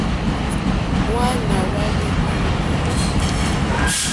Hwáǎnà hwáhwélì ó ndáwò.